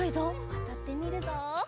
わたってみるぞ。